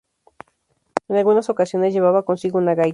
En algunas ocasiones llevaba consigo una gaita.